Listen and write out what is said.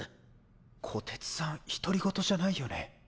虎徹さん独り言じゃないよね？